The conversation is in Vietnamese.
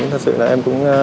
nhận thức của em là em cũng